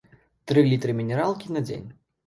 Тры літры мінералкі на дзень.